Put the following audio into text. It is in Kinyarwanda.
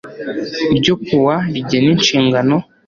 ryo kuwa rigena inshingano